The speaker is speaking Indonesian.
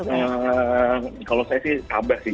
kalau saya sih tambah sih